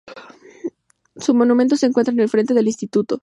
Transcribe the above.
Su monumento se encuentra en el frente del instituto.